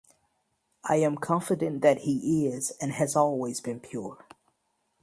I am confident that he is and has always been pure.